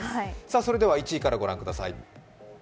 それでは１位からご覧ください。